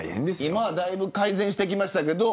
今はだいぶ改善されてきましたけど。